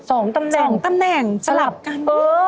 สองตำแหน่งละฝัง